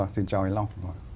xin chào anh long